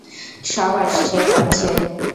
সব আসছে যাচ্ছে।